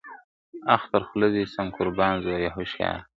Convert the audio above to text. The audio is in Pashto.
اخ تر خوله دي سم قربان زويه هوښياره !.